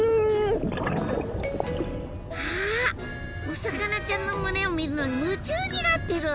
お魚ちゃんの群れを見るのに夢中になってる。